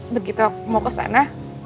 begitu mau kesana